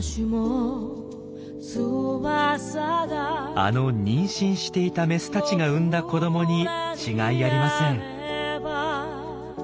あの妊娠していたメスたちが産んだ子どもに違いありません。